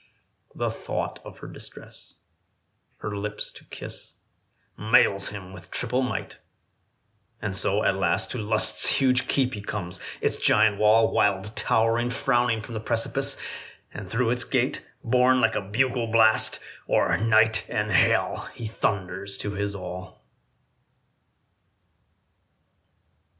The thought of her distress, her lips to kiss, Mails him with triple might; and so at last To Lust's huge keep he comes; its giant wall, Wild towering, frowning from the precipice; And through its gate, borne like a bugle blast, O'er night and hell he thunders to his all.